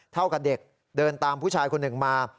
เท่ากับเด็กเดินตามผู้ชายคนหนึ่งมา